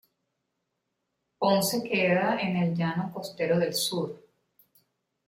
Ponce queda en el Llano Costero del Sur.